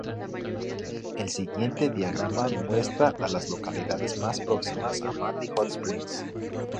El siguiente diagrama muestra a las localidades más próximas a Manley Hot Springs.